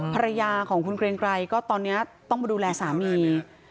ภรรยาของคุณเกรงไกรก็ตอนนี้ต้องมาดูแลสามี